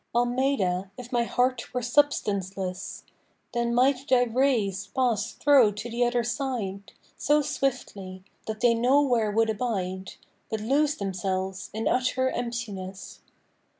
Almeida, if my heart were substanceless, Then might thy rays pass thro' to the other side, So swiftly, that they nowhere would abide, But lose themselves in utter emptiness.